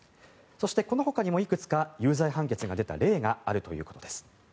そして、この他にもいくつか有罪判決が出た例があるということです。